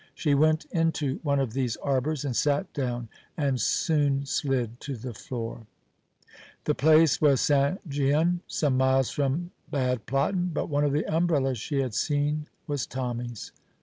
She went into one of these arbours and sat down, and soon slid to the floor. The place was St. Gian, some miles from Bad Platten; but one of the umbrellas she had seen was Tommy's.